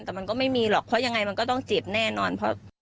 แต่มันก็ไม่มีหรอกเพราะยังไงมันก็ต้องเจ็บแน่นอน